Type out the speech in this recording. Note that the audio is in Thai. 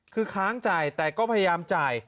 คือค้างจ่ายแต่ก็พยายามจ่าย